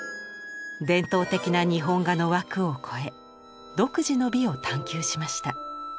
伝統的な日本画の枠を超え独自の美を探求しました。